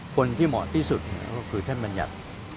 คนที่เหมาะที่สุดก็คือท่านมันอยาก